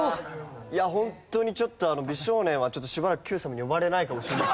いやホントにちょっとあの美少年はしばらく『Ｑさま！！』に呼ばれないかもしれない。